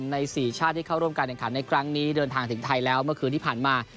ใน๔ชาติที่เข้าร่วมการแข่งขันในครั้งนี้เดินทางถึงไทยแล้วเมื่อคืนที่ผ่านมา